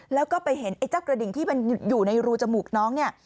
แล้วก็ไปเห็นไอ้เจ้ากระดิ่งที่มันอยู่ในรูจมูกน้องเนี่ย